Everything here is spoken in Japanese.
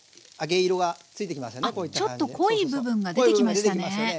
あちょっと濃い部分が出てきましたね。